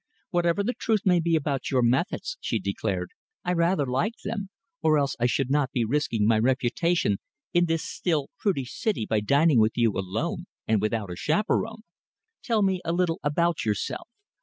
"Whatever the truth may be about your methods," she declared, "I rather like them, or else I should not be risking my reputation in this still prudish city by dining with you alone and without a chaperon. Tell me a little about yourself.